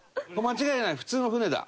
間違いない普通の船だ。